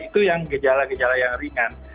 itu yang gejala gejala yang ringan